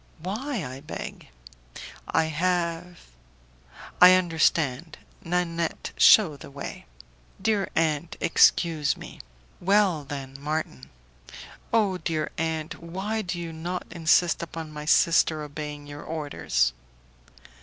"Why, I beg?" "I have ." "I understand. Nanette, shew the way." "Dear aunt, excuse me." "Well, then, Marton." "Oh! dear aunt, why do you not insist upon my sister obeying your orders?"